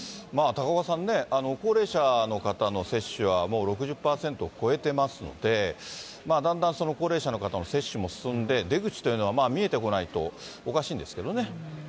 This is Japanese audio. まあ高岡さんね、高齢者の方の接種は、もう６０％を超えてますので、だんだん高齢者の方の接種も進んで、出口というのは見えてこないとおかしいんですけどね。